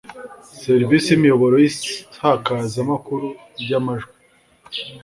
serivisi z’imiyoboro y’isakazamakuru ry’amajwi